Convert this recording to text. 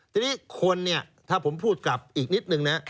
ทีนี้คนเนี่ยถ้าผมพูดกลับอีกนิดนึงนะ